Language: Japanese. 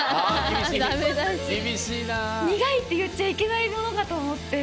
「苦い」って言っちゃいけないものかと思って。